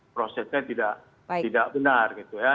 prosesnya tidak benar gitu ya